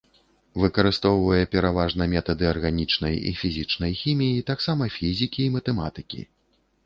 Выкарыстоўвае пераважна метады арганічнай і фізічнай хіміі, таксама фізікі і матэматыкі.